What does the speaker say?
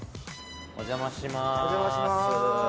お邪魔します！